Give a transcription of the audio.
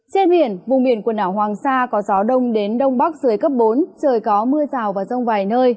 trên biển vùng biển quần đảo hoàng sa có gió đông đến đông bắc dưới cấp bốn trời có mưa rào và rông vài nơi